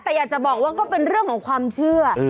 แต่อยากจะบอกว่าก็เป็นเรื่องของความเชื่อ